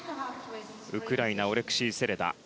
ウクライナオレクシー・セレダ。